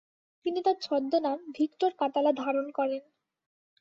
তিনি তার ছদ্মনাম ভিক্টর কাতালা ধারণ করেন।